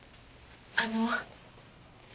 あの。